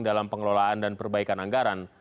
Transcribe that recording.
dalam pengelolaan dan perbaikan anggaran